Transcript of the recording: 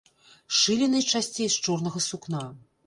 Шылі найчасцей з чорнага сукна.